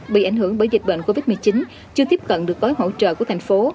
bị ảnh hưởng bởi dịch bệnh covid một mươi chín chưa tiếp cận được gói hỗ trợ của thành phố